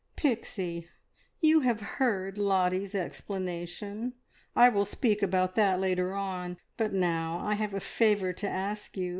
"Pixie, you have heard Lottie's explanation. I will speak about that later on, but now I have a favour to ask you.